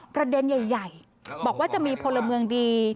ประเด็นใหญ่บอกว่าจะมีพลเมืองดี